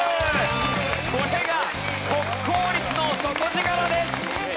これが国公立の底力です！